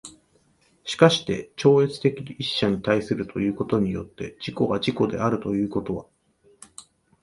しかして超越的一者に対することによって自己が自己であるということは、